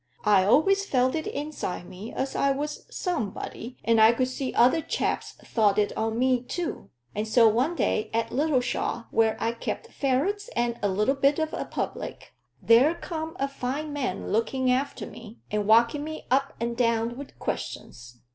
I allays felt it inside me as I was somebody, and I could see other chaps thought it on me too; and so one day at Littleshaw, where I kep' ferrets and a little bit of a public, there come a fine man looking after me, and walking me up and down wi' questions.